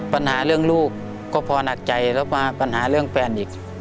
ปัญหาเรื่องลูกก็พอหนักใจแล้วมาปัญหาเรื่องแฟนอีก